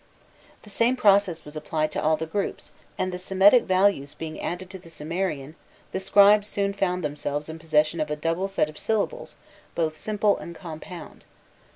The same process was applied to all the groups, and the Semitic values being added to the Sumerian, the scribes soon found themselves in possession of a double set of syllables both simple and compound.